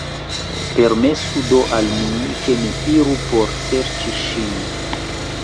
Permesu do al mi, ke mi iru por serĉi ŝin.